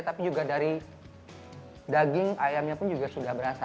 tapi juga dari daging ayamnya pun juga sudah berasa